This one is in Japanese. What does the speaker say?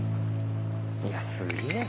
いやすげえな。